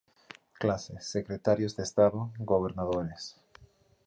Clase: Secretarios de estado, Gobernadores.